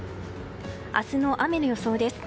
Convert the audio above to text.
明日の雨の予想です。